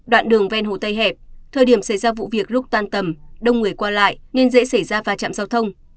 đoạn đường ven hồ tây hẹp thời điểm xảy ra vụ việc lúc tan tầm đông người qua lại nên dễ xảy ra va chạm giao thông